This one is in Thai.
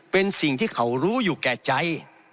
เป็นสิ่งที่เขารู้อยู่แก่ใจ